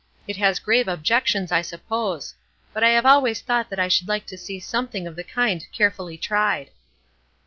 It has grave objections, I suppose; but I have always thought that I should like to see something of the kind carefully tried."